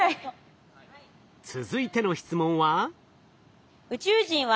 続いての質問は？